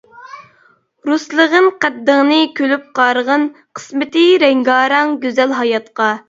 رۇسلىغىن قەددىڭنى كۈلۈپ قارىغىن، قىسمىتى رەڭگارەڭ گۈزەل ھاياتقا.